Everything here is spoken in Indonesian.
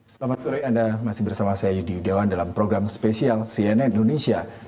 selamat sore anda masih bersama saya yudi yudawan dalam program spesial cnn indonesia